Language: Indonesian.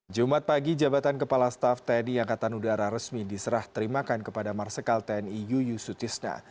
jumat pagi jabatan kepala staff tni angkatan udara resmi diserah terimakan kepada marsikal tni yuyusutisna